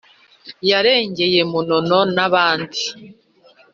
yarengeye munono n'abandi